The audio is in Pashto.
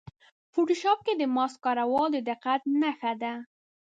فوټوشاپ کې د ماسک کارول د دقت نښه ده.